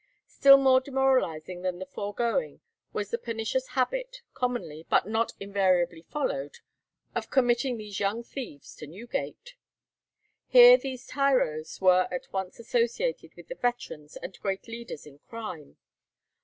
Still more demoralizing than the foregoing was the pernicious habit, commonly, but happily not invariably followed, of committing these young thieves to Newgate. Here these tyros were at once associated with the veterans and great leaders in crime.